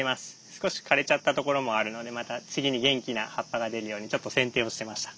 少し枯れちゃったところもあるのでまた次に元気な葉っぱが出るようにちょっと剪定をしてました。